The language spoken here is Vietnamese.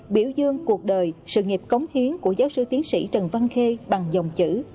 biểu dương cuộc đời sự nghiệp cống hiến của giáo sư tiến sĩ trần văn khê bằng dòng chữ